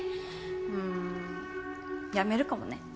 うーん辞めるかもね。